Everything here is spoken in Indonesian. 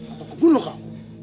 atau kubunuh kau